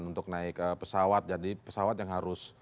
untuk naik pesawat jadi pesawat yang harus